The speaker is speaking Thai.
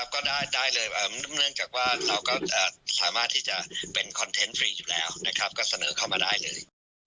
ก็ได้เลยเนื่องจากว่าเราก็สามารถที่จะเป็นคอนเทนต์ฟรีอยู่แล้วก็เสนอเข้ามาได้เลย